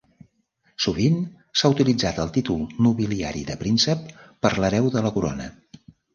Sovint s'ha utilitzat el títol nobiliari de príncep per l'hereu de la corona.